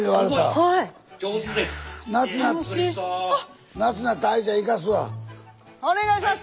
はいお願いします。